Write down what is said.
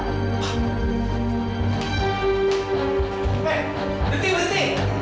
pak berhenti berhenti